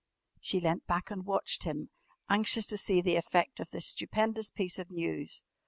She leant back and watched him, anxious to see the effect of this stupendous piece of news.